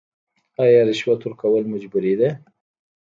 آیا رشوت ورکول مجبوري ده؟